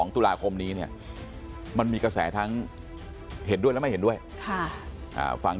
ตุลาคมนี้เนี่ยมันมีกระแสทั้งเห็นด้วยและไม่เห็นด้วยฟัง